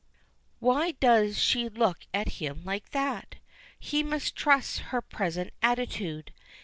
Why does she look at him like that? He mistrusts her present attitude.